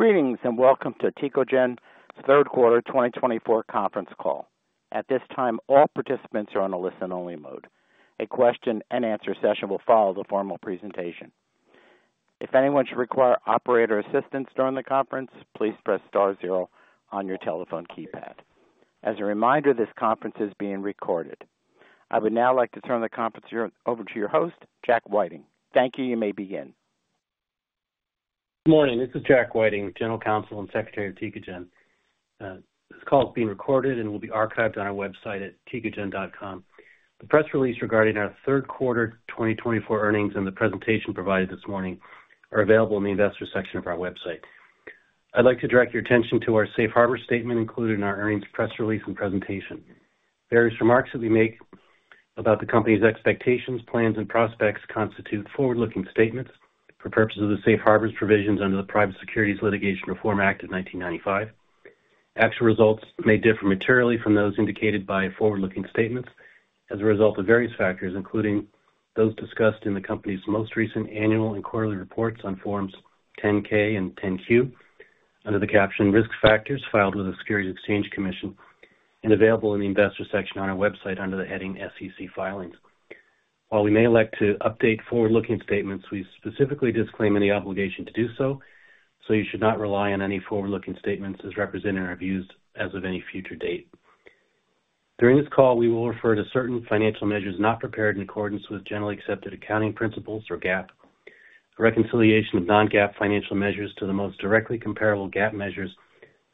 Greetings and welcome to Tecogen's Third Quarter 2024 Conference Call. At this time, all participants are on a listen-only mode. A question-and-answer session will follow the formal presentation. If anyone should require operator assistance during the conference, please press star zero on your telephone keypad. As a reminder, this conference is being recorded. I would now like to turn the conference over to your host, Jack Whiting. Thank you. You may begin. Good morning. This is Jack Whiting, General Counsel and Secretary of Tecogen. This call is being recorded and will be archived on our website at tecogen.com. The press release regarding our third quarter 2024 earnings and the presentation provided this morning are available in the investor section of our website. I'd like to direct your attention to our safe harbor statement included in our earnings press release and presentation. Various remarks that we make about the company's expectations, plans, and prospects constitute forward-looking statements for purposes of the safe harbor's provisions under the Private Securities Litigation Reform Act of 1995. Actual results may differ materially from those indicated by forward-looking statements as a result of various factors, including those discussed in the company's most recent annual and quarterly reports on forms 10-K and 10-Q under the caption "Risk Factors" filed with the Securities and Exchange Commission and available in the investor section on our website under the heading "SEC Filings." While we may elect to update forward-looking statements, we specifically disclaim any obligation to do so, so you should not rely on any forward-looking statements as represented in our views as of any future date. During this call, we will refer to certain financial measures not prepared in accordance with generally accepted accounting principles or GAAP. A reconciliation of non-GAAP financial measures to the most directly comparable GAAP measures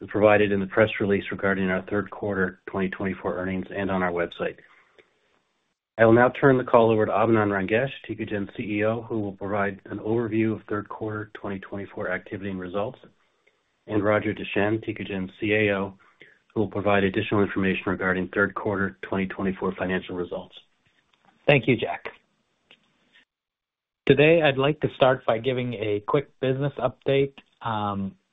is provided in the press release regarding our third quarter 2024 earnings and on our website. I will now turn the call over to Abinand Rangesh, Tecogen CEO, who will provide an overview of third quarter 2024 activity and results, and Roger Deschenes, Tecogen CAO, who will provide additional information regarding third quarter 2024 financial results. Thank you, Jack. Today, I'd like to start by giving a quick business update.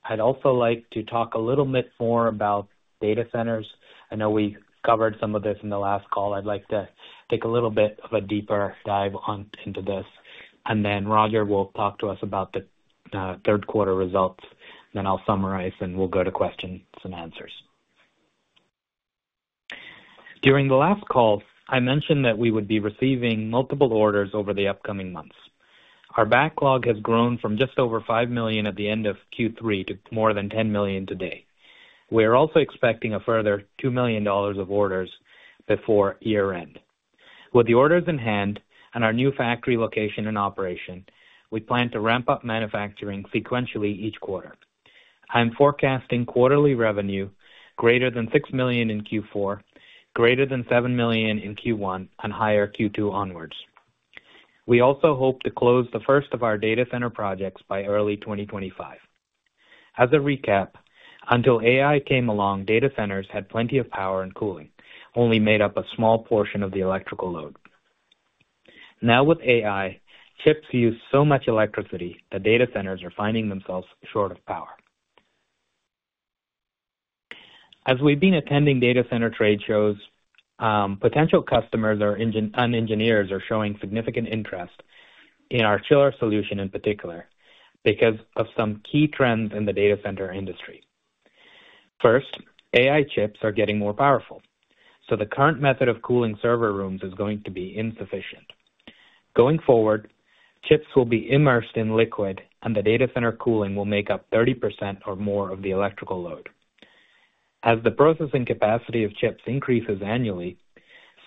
I'd also like to talk a little bit more about data centers. I know we covered some of this in the last call. I'd like to take a little bit of a deeper dive into this, and then Roger will talk to us about the third quarter results, then I'll summarize and we'll go to questions and answers. During the last call, I mentioned that we would be receiving multiple orders over the upcoming months. Our backlog has grown from just over $5 million at the end of Q3 to more than $10 million today. We are also expecting a further $2 million of orders before year-end. With the orders in hand and our new factory location and operation, we plan to ramp up manufacturing sequentially each quarter. I'm forecasting quarterly revenue greater than $6 million in Q4, greater than $7 million in Q1, and higher Q2 onwards. We also hope to close the first of our data center projects by early 2025. As a recap, until AI came along, data centers had plenty of power and cooling, only made up a small portion of the electrical load. Now with AI, chips use so much electricity that data centers are finding themselves short of power. As we've been attending data center trade shows, potential customers and engineers are showing significant interest in our chiller solution in particular because of some key trends in the data center industry. First, AI chips are getting more powerful, so the current method of cooling server rooms is going to be insufficient. Going forward, chips will be immersed in liquid, and the data center cooling will make up 30% or more of the electrical load. As the processing capacity of chips increases annually,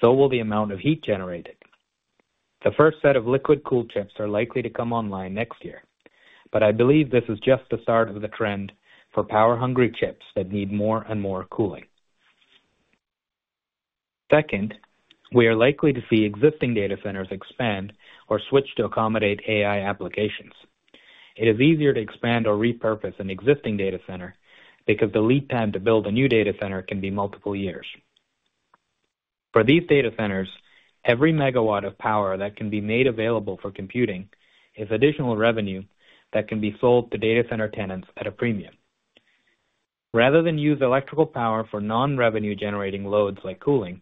so will the amount of heat generated. The first set of liquid-cooled chips are likely to come online next year, but I believe this is just the start of the trend for power-hungry chips that need more and more cooling. Second, we are likely to see existing data centers expand or switch to accommodate AI applications. It is easier to expand or repurpose an existing data center because the lead time to build a new data center can be multiple years. For these data centers, every megawatt of power that can be made available for computing is additional revenue that can be sold to data center tenants at a premium. Rather than use electrical power for non-revenue-generating loads like cooling,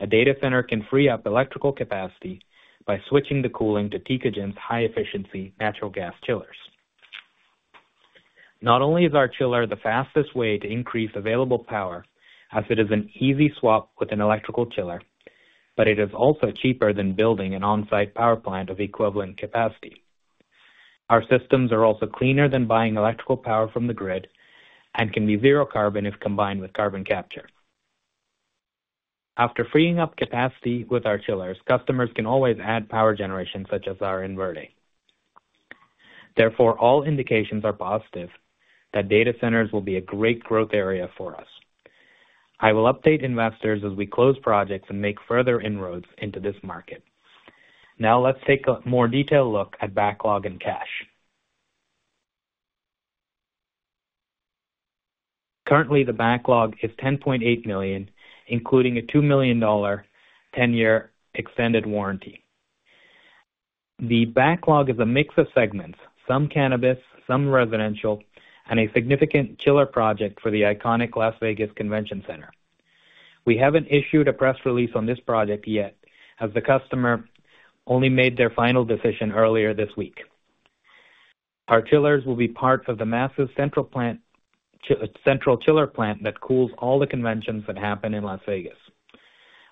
a data center can free up electrical capacity by switching the cooling to Tecogen's high-efficiency natural gas chillers. Not only is our chiller the fastest way to increase available power as it is an easy swap with an electrical chiller, but it is also cheaper than building an on-site power plant of equivalent capacity. Our systems are also cleaner than buying electrical power from the grid and can be zero carbon if combined with carbon capture. After freeing up capacity with our chillers, customers can always add power generation such as our InVerde. Therefore, all indications are positive that data centers will be a great growth area for us. I will update investors as we close projects and make further inroads into this market. Now let's take a more detailed look at backlog and cash. Currently, the backlog is $10.8 million, including a $2 million 10-year extended warranty. The backlog is a mix of segments: some cannabis, some residential, and a significant chiller project for the iconic Las Vegas Convention Center. We haven't issued a press release on this project yet as the customer only made their final decision earlier this week. Our chillers will be part of the massive central chiller plant that cools all the conventions that happen in Las Vegas.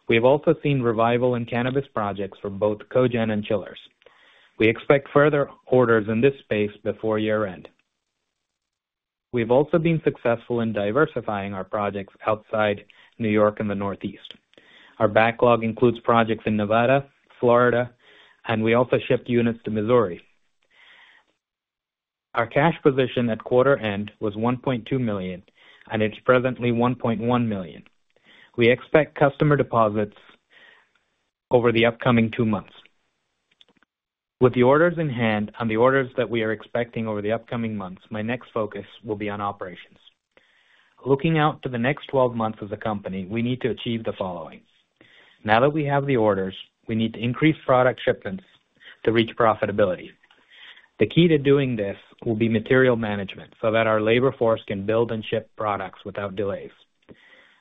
We have also seen revival in cannabis projects for both cogen and chillers. We expect further orders in this space before year-end. We've also been successful in diversifying our projects outside New York and the Northeast. Our backlog includes projects in Nevada, Florida, and we also shipped units to Missouri. Our cash position at quarter-end was $1.2 million, and it's presently $1.1 million. We expect customer deposits over the upcoming two months. With the orders in hand and the orders that we are expecting over the upcoming months, my next focus will be on operations. Looking out to the next 12 months as a company, we need to achieve the following. Now that we have the orders, we need to increase product shipments to reach profitability. The key to doing this will be material management so that our labor force can build and ship products without delays.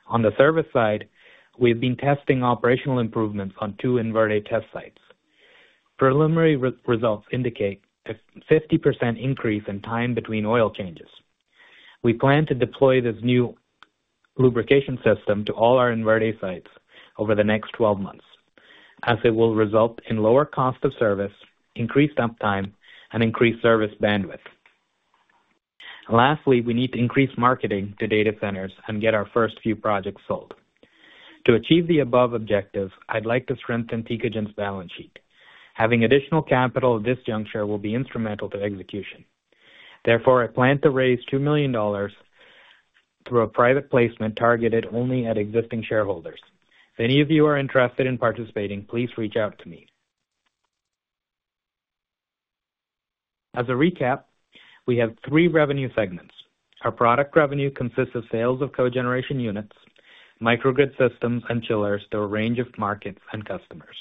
On the service side, we've been testing operational improvements on two inverter test sites. Preliminary results indicate a 50% increase in time between oil changes. We plan to deploy this new lubrication system to all our InVerde sites over the next 12 months, as it will result in lower cost of service, increased uptime, and increased service bandwidth. Lastly, we need to increase marketing to data centers and get our first few projects sold. To achieve the above objectives, I'd like to strengthen Tecogen's balance sheet. Having additional capital at this juncture will be instrumental to execution. Therefore, I plan to raise $2 million through a private placement targeted only at existing shareholders. If any of you are interested in participating, please reach out to me. As a recap, we have three revenue segments. Our product revenue consists of sales of cogeneration units, microgrid systems, and chillers to a range of markets and customers.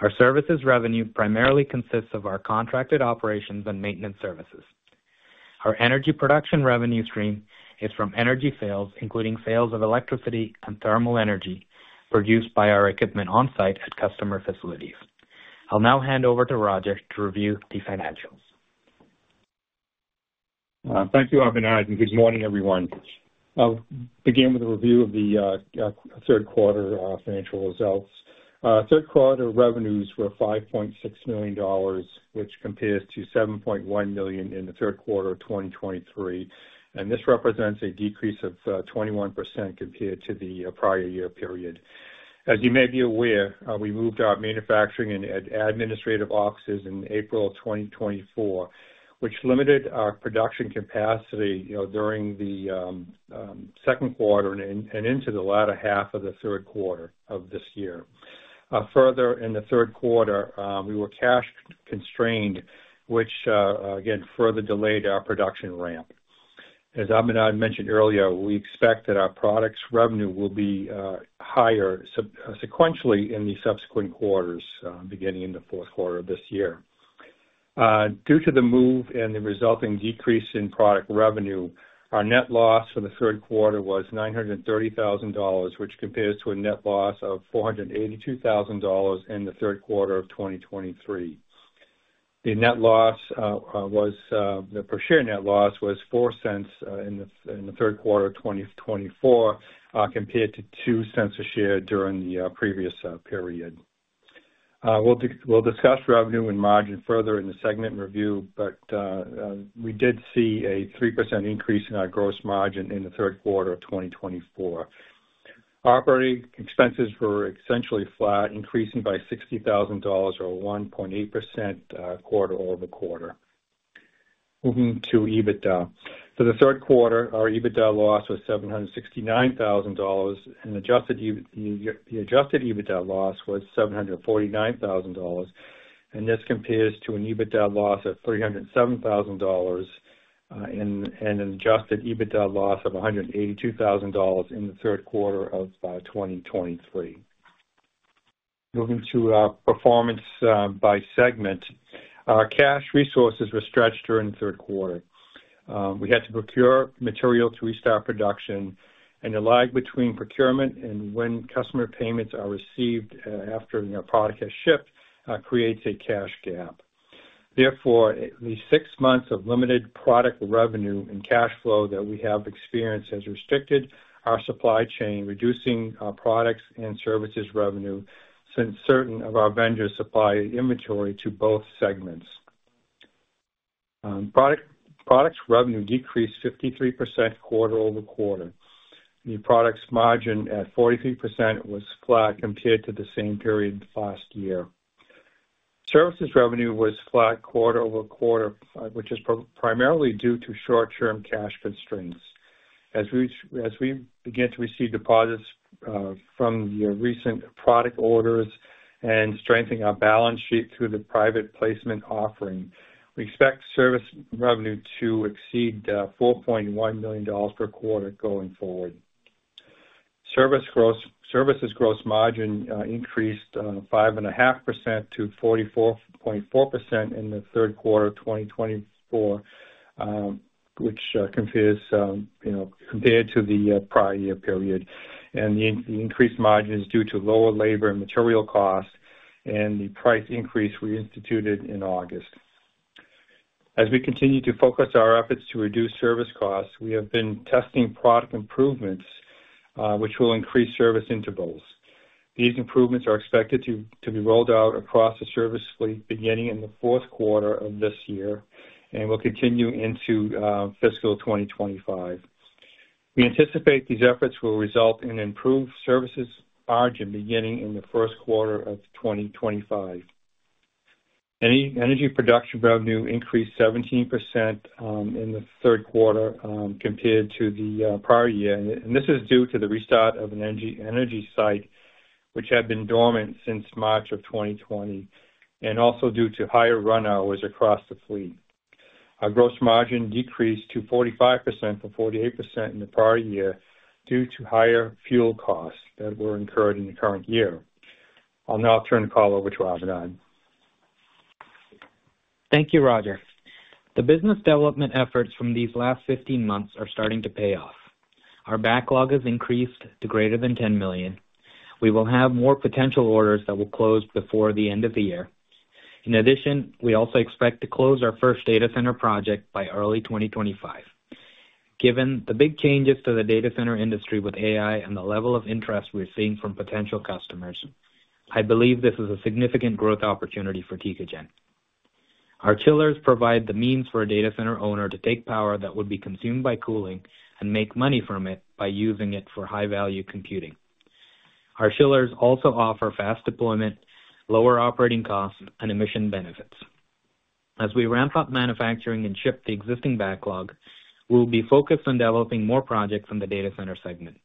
Our services revenue primarily consists of our contracted operations and maintenance services. Our energy production revenue stream is from energy sales, including sales of electricity and thermal energy produced by our equipment on-site at customer facilities. I'll now hand over to Roger to review the financials. Thank you, Abinand. Good morning, everyone. I'll begin with a review of the third quarter financial results. Third quarter revenues were $5.6 million, which compares to $7.1 million in the third quarter of 2023, and this represents a decrease of 21% compared to the prior year period. As you may be aware, we moved our manufacturing and administrative offices in April of 2024, which limited our production capacity during the second quarter and into the latter half of the third quarter of this year. Further, in the third quarter, we were cash constrained, which again further delayed our production ramp. As Abinand mentioned earlier, we expect that our products' revenue will be higher sequentially in the subsequent quarters, beginning in the fourth quarter of this year. Due to the move and the resulting decrease in product revenue, our net loss for the third quarter was $930,000, which compares to a net loss of $482,000 in the third quarter of 2023. The per-share net loss was $0.04 in the third quarter of 2024, compared to $0.02 a share during the previous period. We'll discuss revenue and margin further in the segment review, but we did see a 3% increase in our gross margin in the third quarter of 2024. Operating expenses were essentially flat, increasing by $60,000 or 1.8% quarter over quarter. Moving to EBITDA. For the third quarter, our EBITDA loss was $769,000, and the adjusted EBITDA loss was $749,000. This compares to an EBITDA loss of $307,000 and an adjusted EBITDA loss of $182,000 in the third quarter of 2023. Moving to performance by segment, our cash resources were stretched during the third quarter. We had to procure material to restart production, and the lag between procurement and when customer payments are received after a product has shipped creates a cash gap. Therefore, the six months of limited product revenue and cash flow that we have experienced has restricted our supply chain, reducing our products and services revenue since certain of our vendors supply inventory to both segments. Products' revenue decreased 53% quarter over quarter. The products' margin at 43% was flat compared to the same period last year. Services revenue was flat quarter over quarter, which is primarily due to short-term cash constraints. As we begin to receive deposits from the recent product orders and strengthen our balance sheet through the private placement offering, we expect service revenue to exceed $4.1 million per quarter going forward. Services gross margin increased 5.5% to 44.4% in the third quarter of 2024, which compares to the prior year period. The increased margin is due to lower labor and material costs and the price increase we instituted in August. As we continue to focus our efforts to reduce service costs, we have been testing product improvements, which will increase service intervals. These improvements are expected to be rolled out across the service fleet beginning in the fourth quarter of this year and will continue into fiscal 2025. We anticipate these efforts will result in improved services margin beginning in the first quarter of 2025. Energy production revenue increased 17% in the third quarter compared to the prior year. This is due to the restart of an energy site, which had been dormant since March of 2020, and also due to higher run hours across the fleet. Our gross margin decreased to 45% from 48% in the prior year due to higher fuel costs that were incurred in the current year. I'll now turn the call over to Abinand. Thank you, Roger. The business development efforts from these last 15 months are starting to pay off. Our backlog has increased to greater than $10 million. We will have more potential orders that will close before the end of the year. In addition, we also expect to close our first data center project by early 2025. Given the big changes to the data center industry with AI and the level of interest we're seeing from potential customers, I believe this is a significant growth opportunity for Tecogen. Our chillers provide the means for a data center owner to take power that would be consumed by cooling and make money from it by using it for high-value computing. Our chillers also offer fast deployment, lower operating costs, and emission benefits. As we ramp up manufacturing and ship the existing backlog, we'll be focused on developing more projects in the data center segment.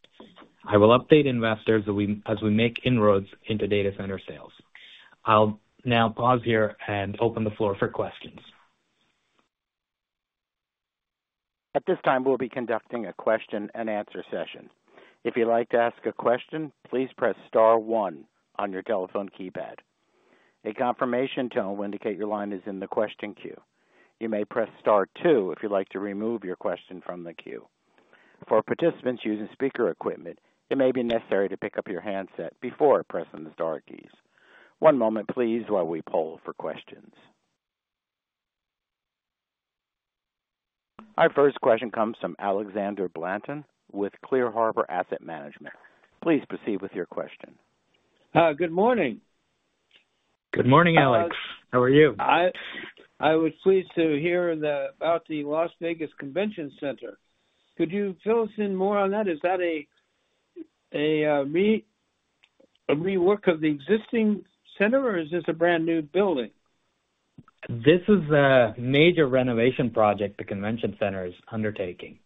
I will update investors as we make inroads into data center sales. I'll now pause here and open the floor for questions. At this time, we'll be conducting a question-and-answer session. If you'd like to ask a question, please press Star 1 on your telephone keypad. A confirmation tone will indicate your line is in the question queue. You may press Star 2 if you'd like to remove your question from the queue. For participants using speaker equipment, it may be necessary to pick up your handset before pressing the Star keys. One moment, please, while we poll for questions. Our first question comes from Alexander Blanton with Clear Harbor Asset Management. Please proceed with your question. Good morning. Good morning, Alex. Hello. How are you? I was pleased to hear about the Las Vegas Convention Center. Could you fill us in more on that? Is that a rework of the existing center, or is this a brand new building? This is a major renovation project the convention center is undertaking,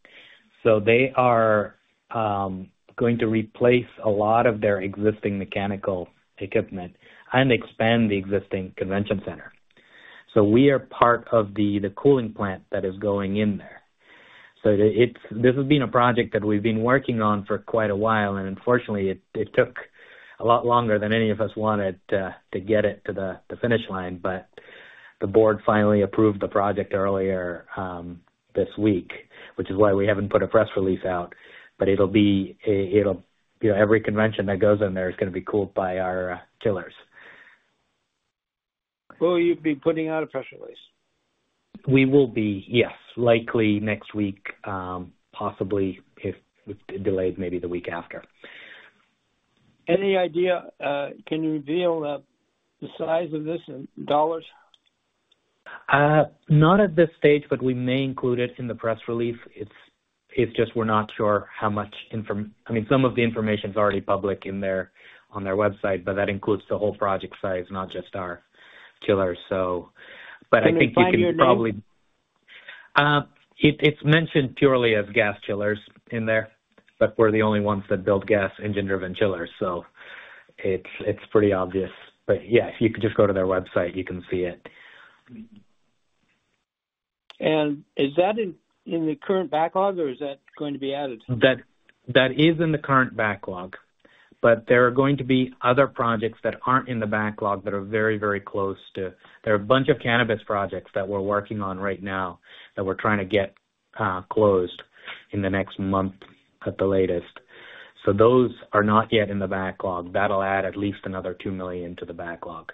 so they are going to replace a lot of their existing mechanical equipment and expand the existing convention center, so we are part of the cooling plant that is going in there, so this has been a project that we've been working on for quite a while, and unfortunately, it took a lot longer than any of us wanted to get it to the finish line, but the board finally approved the project earlier this week, which is why we haven't put a press release out, but it'll be every convention that goes in there is going to be cooled by our chillers. Will you be putting out a press release? We will be, yes, likely next week, possibly if delayed, maybe the week after. Any idea? Can you reveal the size of this in dollars? Not at this stage, but we may include it in the press release. It's just we're not sure how much. I mean, some of the information is already public on their website, but that includes the whole project size, not just our chillers. But I think you can probably. It's mentioned purely as gas chillers in there, but we're the only ones that build gas engine-driven chillers. So it's pretty obvious. But yeah, if you could just go to their website, you can see it. Is that in the current backlog, or is that going to be added? That is in the current backlog, but there are going to be other projects that aren't in the backlog that are very, very close. There are a bunch of cannabis projects that we're working on right now that we're trying to get closed in the next month at the latest. So those are not yet in the backlog. That'll add at least another $2 million to the backlog.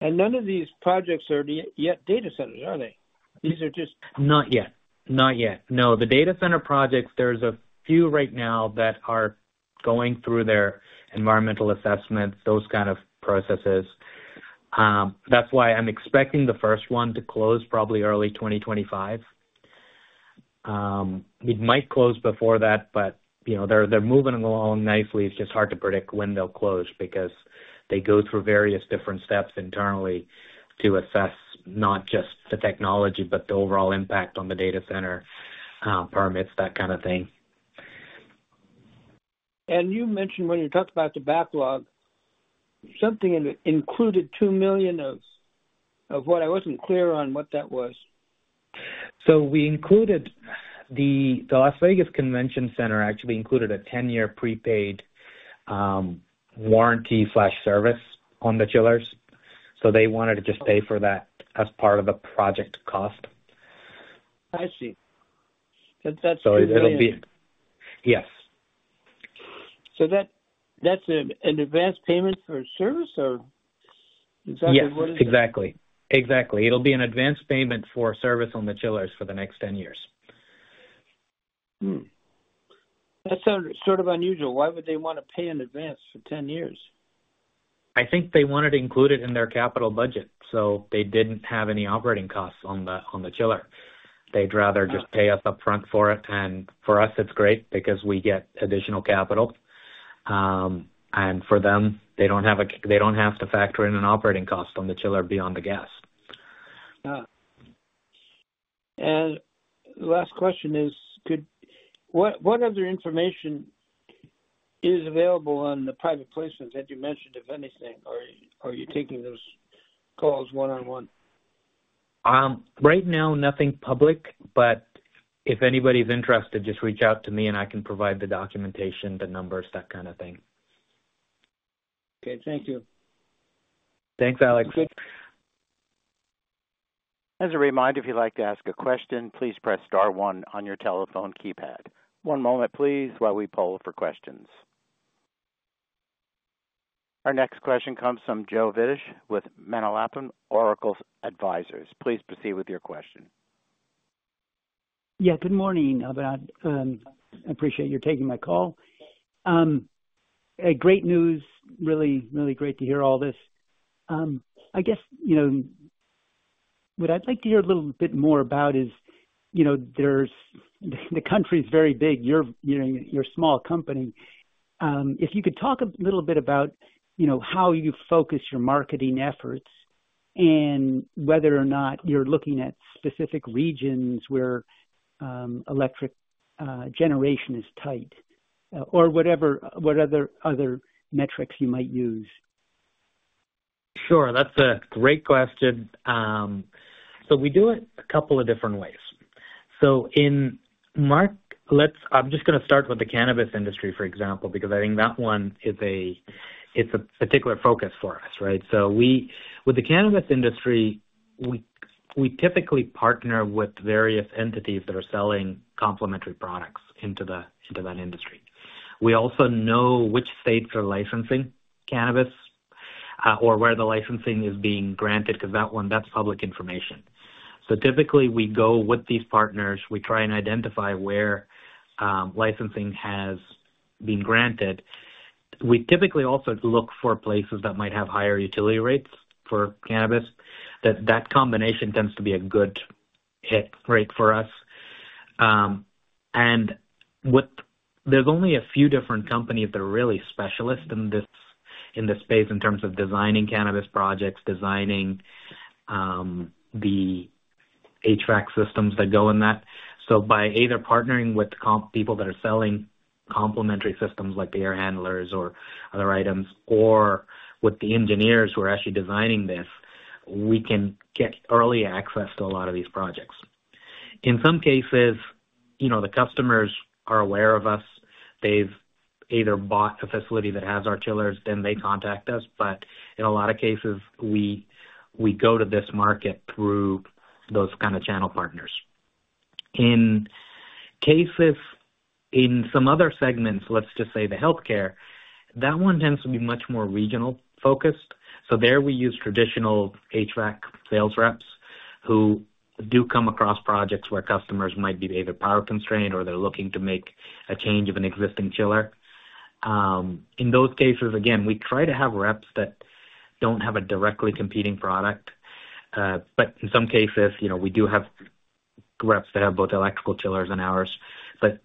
None of these projects are yet data centers, are they? These are just. Not yet. Not yet. No, the data center projects, there's a few right now that are going through their environmental assessments, those kind of processes. That's why I'm expecting the first one to close probably early 2025. We might close before that, but they're moving along nicely. It's just hard to predict when they'll close because they go through various different steps internally to assess not just the technology, but the overall impact on the data center permits, that kind of thing. You mentioned when you talked about the backlog, something included 2 million of what? I wasn't clear on what that was. So we included the Las Vegas Convention Center, actually, a 10-year prepaid warranty/service on the chillers. So they wanted to just pay for that as part of the project cost. I see. That's a good idea. So it'll be yes. So that's an advanced payment for service or exactly what is it? Yes, exactly. Exactly. It'll be an advance payment for service on the chillers for the next 10 years. That's sort of unusual. Why would they want to pay in advance for 10 years? I think they wanted to include it in their capital budget. So they didn't have any operating costs on the chiller. They'd rather just pay us upfront for it. And for us, it's great because we get additional capital. And for them, they don't have to factor in an operating cost on the chiller beyond the gas. And the last question is, what other information is available on the private placements that you mentioned, if anything? Or are you taking those calls one-on-one? Right now, nothing public, but if anybody's interested, just reach out to me and I can provide the documentation, the numbers, that kind of thing. Okay. Thank you. Thanks, Alex. As a reminder, if you'd like to ask a question, please press Star 1 on your telephone keypad. One moment, please, while we poll for questions. Our next question comes from Joe Vidich with Manalapan Oracle Advisers. Please proceed with your question. Yeah. Good morning, Abinand. I appreciate your taking my call. Great news. Really, really great to hear all this. I guess what I'd like to hear a little bit more about is the country is very big. You're a small company. If you could talk a little bit about how you focus your marketing efforts and whether or not you're looking at specific regions where electric generation is tight or whatever other metrics you might use. Sure. That's a great question. So we do it a couple of different ways. So I'm just going to start with the cannabis industry, for example, because I think that one is a particular focus for us, right? So with the cannabis industry, we typically partner with various entities that are selling complementary products into that industry. We also know which states are licensing cannabis or where the licensing is being granted because that one, that's public information. So typically, we go with these partners. We try and identify where licensing has been granted. We typically also look for places that might have higher utility rates for cannabis. That combination tends to be a good hit rate for us. And there's only a few different companies that are really specialists in this space in terms of designing cannabis projects, designing the HVAC systems that go in that. So by either partnering with people that are selling complementary systems like air handlers or other items, or with the engineers who are actually designing this, we can get early access to a lot of these projects. In some cases, the customers are aware of us. They've either bought a facility that has our chillers, then they contact us. But in a lot of cases, we go to this market through those kind of channel partners. In some other segments, let's just say the healthcare, that one tends to be much more regional focused. So there we use traditional HVAC sales reps who do come across projects where customers might be either power constrained or they're looking to make a change of an existing chiller. In those cases, again, we try to have reps that don't have a directly competing product. But in some cases, we do have reps that have both electrical chillers and ours. But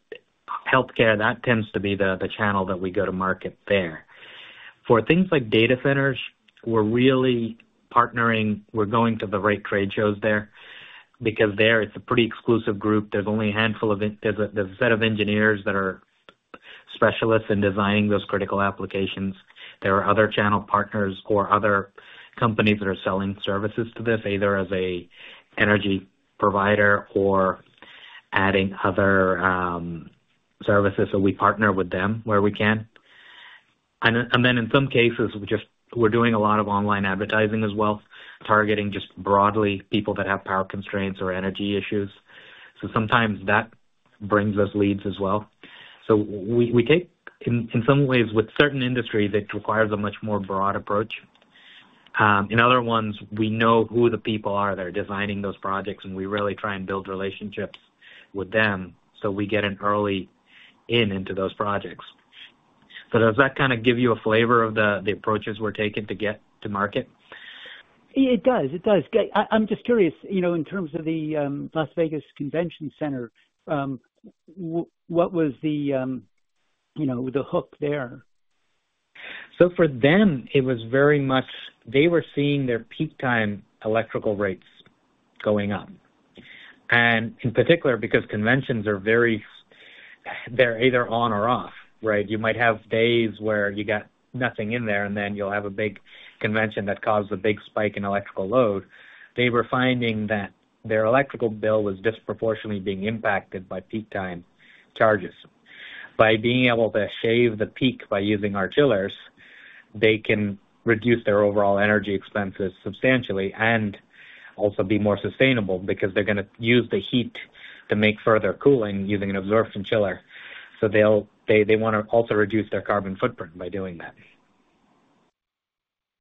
healthcare, that tends to be the channel that we go to market there. For things like data centers, we're really partnering. We're going to the right trade shows there because there it's a pretty exclusive group. There's only a handful of. There's a set of engineers that are specialists in designing those critical applications. There are other channel partners or other companies that are selling services to this, either as an energy provider or adding other services. So we partner with them where we can. And then in some cases, we're doing a lot of online advertising as well, targeting just broadly people that have power constraints or energy issues. So sometimes that brings us leads as well. So in some ways, with certain industries, it requires a much more broad approach. In other ones, we know who the people are that are designing those projects, and we really try and build relationships with them so we get an early in into those projects, so does that kind of give you a flavor of the approaches we're taking to get to market? It does. It does. I'm just curious, in terms of the Las Vegas Convention Center, what was the hook there? So for them, it was very much they were seeing their peak time electrical rates going up. And in particular, because conventions are very, they're either on or off, right? You might have days where you got nothing in there, and then you'll have a big convention that caused a big spike in electrical load. They were finding that their electrical bill was disproportionately being impacted by peak time charges. By being able to shave the peak by using our chillers, they can reduce their overall energy expenses substantially and also be more sustainable because they're going to use the heat to make further cooling using an absorption chiller. So they want to also reduce their carbon footprint by doing that.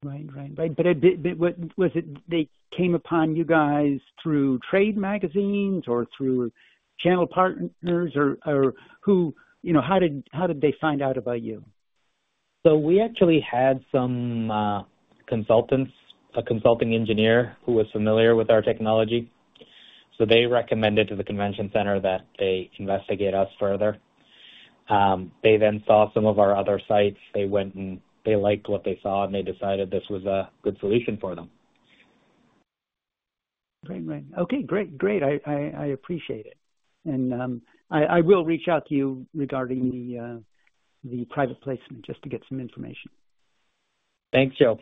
Right. Right. Right. But they came upon you guys through trade magazines or through channel partners? Or how did they find out about you? So we actually had some consultants, a consulting engineer who was familiar with our technology. So they recommended to the convention center that they investigate us further. They then saw some of our other sites. They liked what they saw, and they decided this was a good solution for them. Right. Okay. Great. I appreciate it. And I will reach out to you regarding the private placement just to get some information. Thanks, Joe.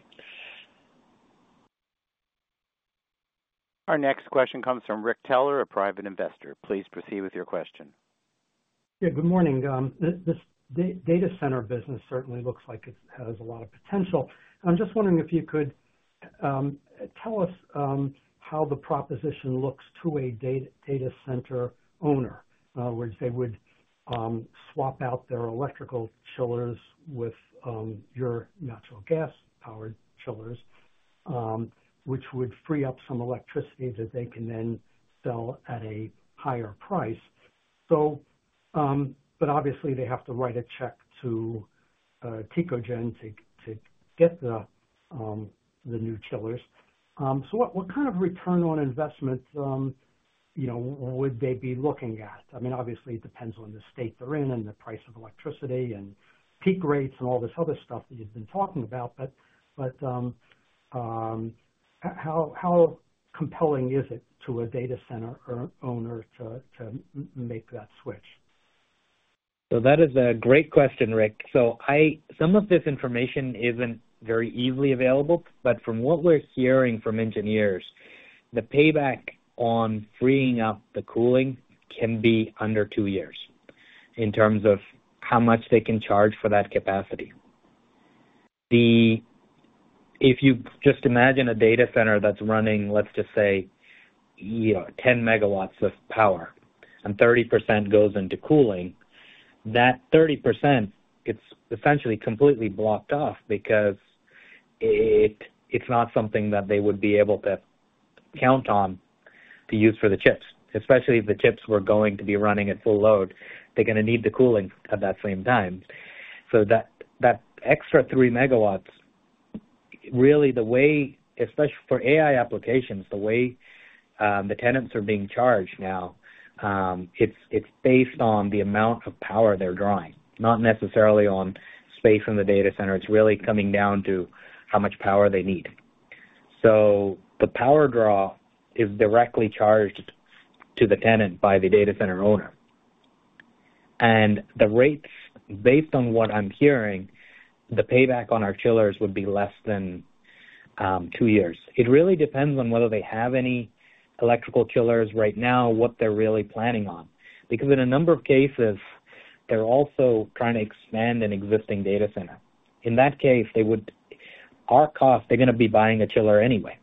Our next question comes from Rick Teller, a private investor. Please proceed with your question. Yeah. Good morning. This data center business certainly looks like it has a lot of potential. I'm just wondering if you could tell us how the proposition looks to a data center owner, where they would swap out their electrical chillers with your natural gas-powered chillers, which would free up some electricity that they can then sell at a higher price. But obviously, they have to write a check to Tecogen to get the new chillers. So what kind of return on investment would they be looking at? I mean, obviously, it depends on the state they're in and the price of electricity and peak rates and all this other stuff that you've been talking about. But how compelling is it to a data center owner to make that switch? That is a great question, Rick. Some of this information isn't very easily available. But from what we're hearing from engineers, the payback on freeing up the cooling can be under two years in terms of how much they can charge for that capacity. If you just imagine a data center that's running, let's just say, 10 MW of power and 30% goes into cooling, that 30%, it's essentially completely blocked off because it's not something that they would be able to count on to use for the chips. Especially if the chips were going to be running at full load, they're going to need the cooling at that same time. That extra 3 MW, really, especially for AI applications, the way the tenants are being charged now, it's based on the amount of power they're drawing, not necessarily on space in the data center. It's really coming down to how much power they need, so the power draw is directly charged to the tenant by the data center owner, and the rates, based on what I'm hearing, the payback on our chillers would be less than two years. It really depends on whether they have any electrical chillers right now, what they're really planning on. Because in a number of cases, they're also trying to expand an existing data center. In that case, our cost, they're going to be buying a chiller anyway.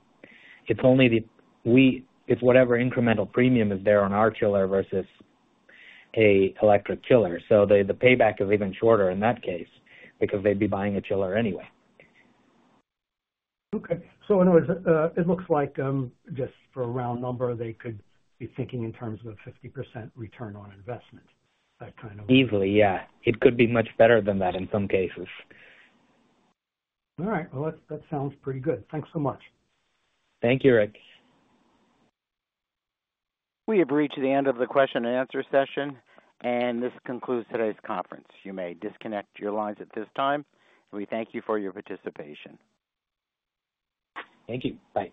It's whatever incremental premium is there on our chiller versus an electric chiller, so the payback is even shorter in that case because they'd be buying a chiller anyway. Okay. So it looks like just for a round number, they could be thinking in terms of a 50% return on investment, that kind of. Easily, yeah. It could be much better than that in some cases. All right. Well, that sounds pretty good. Thanks so much. Thank you, Rick. We have reached the end of the question-and-answer session, and this concludes today's conference. You may disconnect your lines at this time, and we thank you for your participation. Thank you. Bye.